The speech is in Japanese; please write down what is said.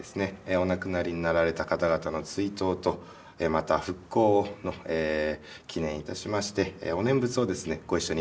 お亡くなりになられた方々の追悼とまた復興を祈念致しましてお念仏をですねご一緒にお唱えしたいと思います。